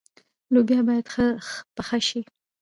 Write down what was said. لوبیا باید ښه پخه شي.